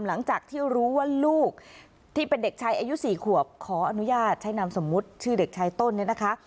หลังจากที่รู้ว่าลูกที่เป็นเด็กชายอายุ๔ขวบขออนุญาตใช้นามสมมุติชื่อเด็กชายต้นเนี่ยนะคะ